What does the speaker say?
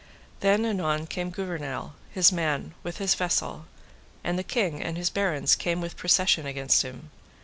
Then anon came Gouvernail, his man, with his vessel; and the king and his barons came with procession against him.